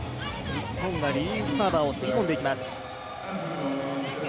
日本はリリーフサーバーをつぎ込んでいきます。